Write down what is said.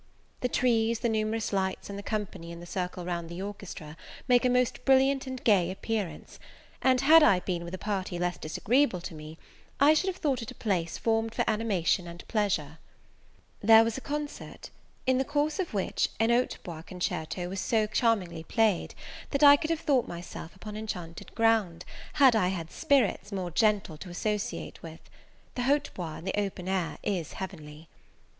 The trees, the numerous lights, and the company in the circle round the orchestra make a most brilliant and gay appearance; and had I been with a party less disagreeable to me, I should have thought it a place formed for animation and pleasure. There was a concert; in the course of which a hautbois concerto was so charmingly played, that I could have thought myself upon enchanted ground, had I had spirits more gentle to associate with. The hautbois in the open air is heavenly.